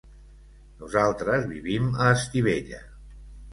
Nosaltres vivim a Estivella.